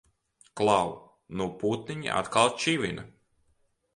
Klau! Nu putniņi atkal čivina!